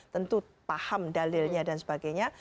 tentu paham dalilnya dan sebagainya